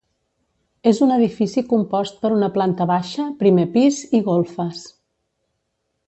És un edifici compost per una planta baixa, primer pis i golfes.